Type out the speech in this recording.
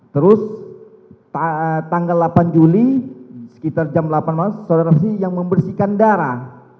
terus tanggal delapan juli sekitar jam delapan malam saudara sih yang membersihkan darah